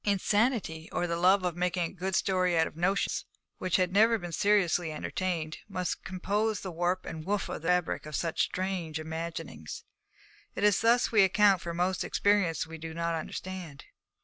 Insanity, or the love of making a good story out of notions which have never been seriously entertained, must compose the warp and woof of the fabric of such strange imaginings. It is thus we account for most experiences we do not understand.